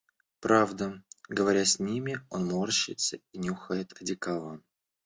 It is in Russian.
Правда, говоря с ними, он морщится и нюхает одеколон.